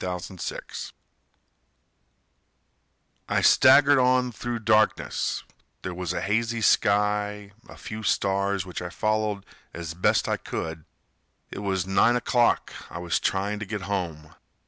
Oscar Hummel I staggered on through darkness, There was a hazy sky, a few stars Which I followed as best I could. It was nine o'clock, I was trying to get home.